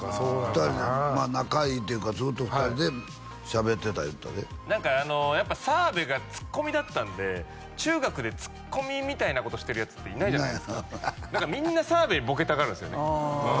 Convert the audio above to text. ２人仲いいっていうかずっと２人でしゃべってた言ってたで何かやっぱ澤部がツッコミだったんで中学でツッコミみたいなことしてるヤツっていないじゃないですかだからみんな澤部にボケたがるんですよね